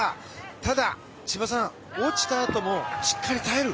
ただ千葉さん、落ちたあともしっかり耐える！